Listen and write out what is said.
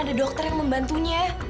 ada dokter yang membantunya